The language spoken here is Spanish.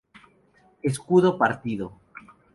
Escudo partido.